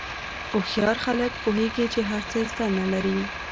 هوښیار خلک پوهېږي چې هر څه زده نه لري.